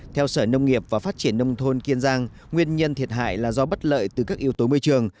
theo sở nông nghiệp và phát triển nông thôn kiên giang nguyên nhân thiệt hại là do bất lợi từ các yếu tố môi trường